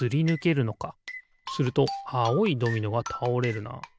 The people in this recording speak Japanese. するとあおいドミノがたおれるな。